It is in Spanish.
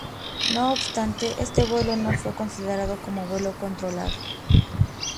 No obstante, este vuelo no fue considerado como vuelo controlado.